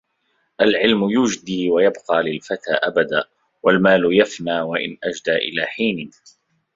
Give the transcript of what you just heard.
العلم يجدي ويبقى للفتى أبدا والمال يفنى وإن أجدى إلى حين